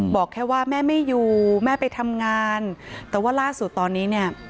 บอกแค่ว่าแม่ไม่อยู่แม่ไปทำงานแต่ว่าล่าสุดตอนนี้เนี่ย